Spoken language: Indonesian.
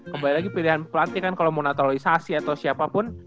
kembali lagi pilihan pelatih kan kalau mau naturalisasi atau siapapun